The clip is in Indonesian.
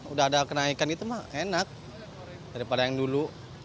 udah ada kenaikan itu mah enak daripada yang dulu